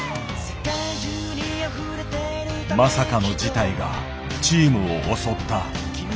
まさかの事態がチームを襲った。